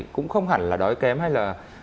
cũng không hẳn là đói kém hay là